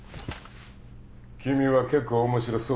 君は結構面白そうだし。